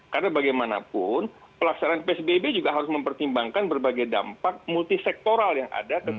karena bagaimanapun pelaksanaan psbb juga harus mempertimbangkan berbagai dampak multisektoral yang ada